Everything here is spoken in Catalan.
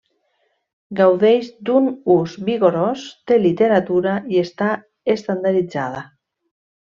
Gaudeix d'un ús vigorós, té literatura i està estandarditzada.